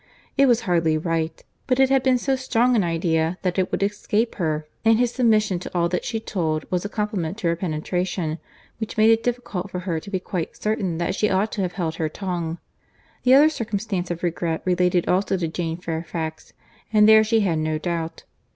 It was hardly right; but it had been so strong an idea, that it would escape her, and his submission to all that she told, was a compliment to her penetration, which made it difficult for her to be quite certain that she ought to have held her tongue. The other circumstance of regret related also to Jane Fairfax; and there she had no doubt.